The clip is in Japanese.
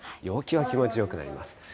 陽気は気持ちよくなります。